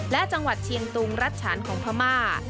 และจังหวัดเชียงตุงรัฐฉานของพม่า